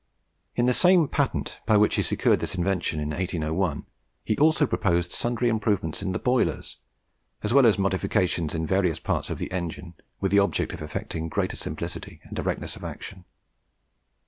In the same patent by which he secured this invention in 1801, he also proposed sundry improvements in the boilers, as well as modifications in various parts of the engine, with the object of effecting greater simplicity and directness of action.